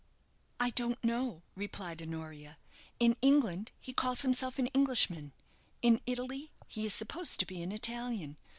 "I don't know," replied Honoria. "In England he calls himself an Englishman in Italy he is supposed to be an Italian.